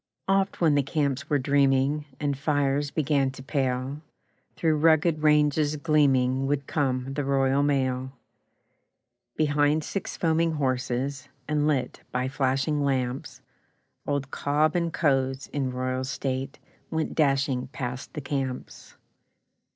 Oft when the camps were dreaming, And fires began to pale, Through rugged ranges gleaming Would come the Royal Mail. Behind six foaming horses, And lit by flashing lamps, Old 'Cobb and Co.'s', in royal state, Went dashing past the camps.